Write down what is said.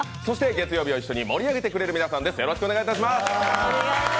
月曜日を一緒に盛り上げてくれる皆さんです。